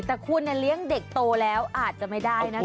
แต่คุณเลี้ยงเด็กโตแล้วอาจจะไม่ได้นะคะ